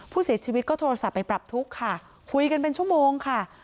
ผู้เสียชีวิตก็โทรศัพท์ไปปรับทุกข์ค่ะคุยกันเป็นชั่วโมงค่ะ